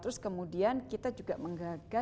terus kemudian kita juga mengagas adanya climate change